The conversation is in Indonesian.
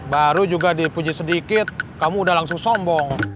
baru juga dipuji sedikit kamu udah langsung sombong